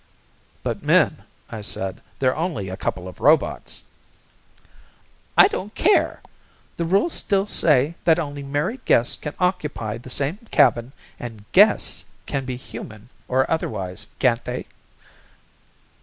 "But, Min," I said, "they're only a couple of robots." "I don't care. The rules still say that only married guests can occupy the same cabin and 'guests' can be human or otherwise, can't they?